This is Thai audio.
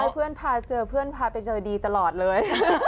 เพื่อนพาเจอเพื่อนพาไปเจอดีตลอดเลย